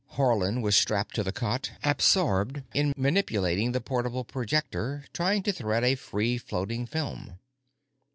Haarland was strapped to the cot, absorbed in manipulating the portable projector, trying to thread a free floating film.